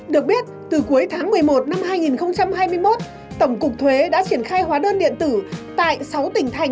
được biết từ cuối tháng một mươi một năm hai nghìn hai mươi một tổng cục thuế đã triển khai hóa đơn điện tử tại sáu tỉnh thành